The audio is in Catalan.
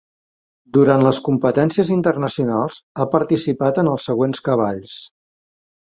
Durant les competències internacionals ha participat en els següents cavalls.